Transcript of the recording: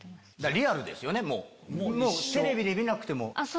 リアルですよねテレビで見なくても。